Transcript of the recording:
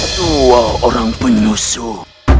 dua orang penyusup